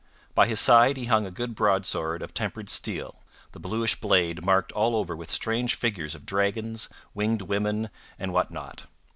By his side he hung a good broadsword of tempered steel, the bluish blade marked all over with strange figures of dragons, winged women, and what not.